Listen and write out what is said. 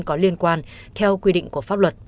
có liên quan theo quy định của pháp luật